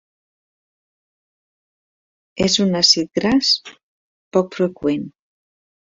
És un àcid gras poc freqüent.